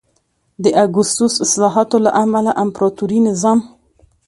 د اګوستوس اصلاحاتو له امله امپراتوري نظام